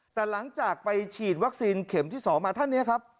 แต่หลังจากไปฉีดวัคซีนเข็มที่๒มาท่านนี้ครับ